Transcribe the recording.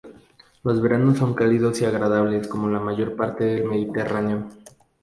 Los veranos son cálidos y agradables como en la mayor parte del Mediterráneo.